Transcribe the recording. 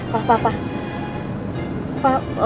pak pak pak